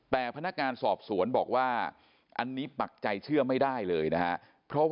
แต่พนักงานสอบสวนบอกว่าอันนี้ปักใจเชื่อไม่ได้เลยนะฮะ